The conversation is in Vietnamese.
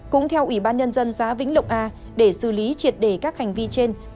cũng theo ủy ban nhân dân xã vĩnh lộc a để xử lý triệt đề các hành vi trên